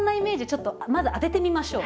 ちょっとまず当ててみましょう。